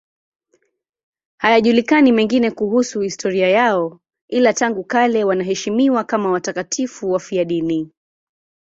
Hayajulikani mengine kuhusu historia yao, ila tangu kale wanaheshimiwa kama watakatifu wafiadini.